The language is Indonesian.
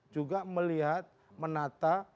juga melihat menata